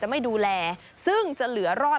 ไม่ดูแลซึ่งจะเหลือรอด